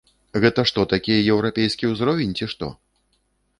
Гэта што такі еўрапейскі ўзровень, ці што?